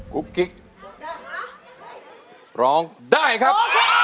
กุ๊กกิ๊กร้องได้ครับ